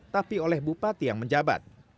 tapi oleh bupati yang menjabat